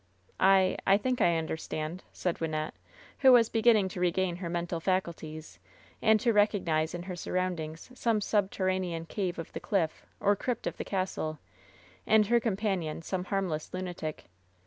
"I — I think I understand," said Wynnette, who was beginning to regain her mental faculties and to recc^ize in her surroundings some subterranean cave of the cliff, or crypt of the castle, and in her companion some harm less lunatic.